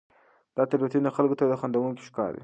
دا تېروتنې خلکو ته خندوونکې ښکاري.